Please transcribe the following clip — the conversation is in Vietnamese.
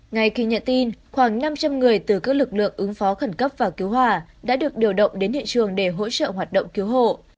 ngay khi nhận tin khoảng năm trăm linh người từ các lực lượng ứng phó khẩn cấp và cứu hỏa đã được điều động đến hiện trường để hỗ trợ hoàn toàn